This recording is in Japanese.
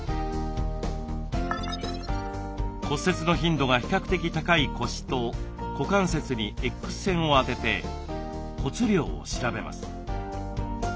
骨折の頻度が比較的高い腰と股関節にＸ線を当てて骨量を調べます。